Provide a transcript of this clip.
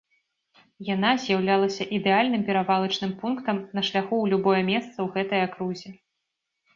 Яна з'яўлялася ідэальным перавалачным пунктам на шляху ў любое месца ў гэтай акрузе.